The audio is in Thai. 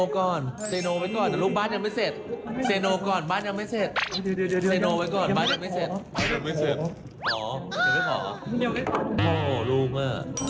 จะเป็นอย่างไรไปฟังเลยคะ